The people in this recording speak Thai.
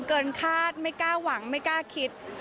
คาดไม่กล้าหวังไม่กล้าคิด